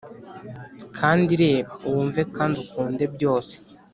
kandi reba, wumve kandi ukunde byose.